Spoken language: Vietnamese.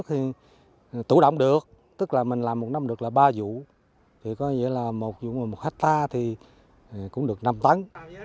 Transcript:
phát triển giao thông nông thôn